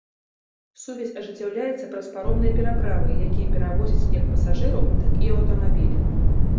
Сувязь ажыццяўляецца праз паромныя пераправы, якія перавозяць як пасажыраў, так і аўтамабілі.